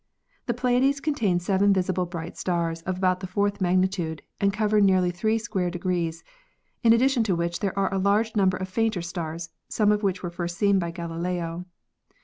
The Pleiades contain seven visible bright stars of about the fourth magnitude and cover nearly three square degrees, in addition to which there are a large number of fainter stars, some of which were first seen by Galileo.